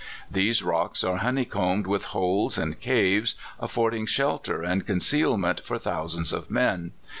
These rocks are honeys combed with holes and caves, affording shelter and concealment for thousands of men.